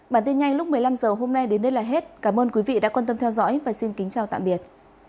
bản tin nhanh lúc một mươi năm h hôm nay đến đây là hết cảm ơn quý vị đã quan tâm theo dõi và xin kính chào tạm biệt